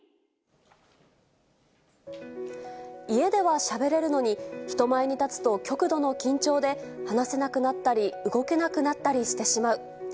家ではしゃべれるのに、人前に立つと、極度の緊張で、話せなくなったり動けなくなったりしてしまう。